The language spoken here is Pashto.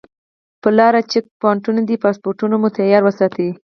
پر لاره چیک پواینټونه دي پاسپورټونه مو تیار وساتئ.